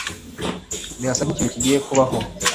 Birasa nkikintu kigiye kubaho.